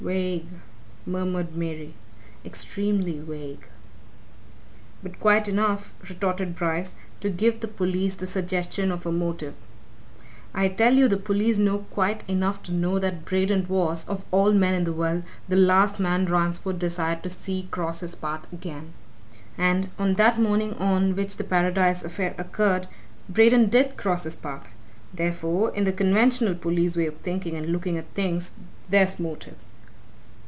"Vague!" murmured Mary. "Extremely vague!" "But quite enough," retorted Bryce, "to give the police the suggestion of motive. I tell you the police know quite enough to know that Braden was, of all men in the world, the last man Ransford desired to see cross his path again. And on that morning on which the Paradise affair occurred Braden did cross his path. Therefore, in the conventional police way of thinking and looking at things, there's motive."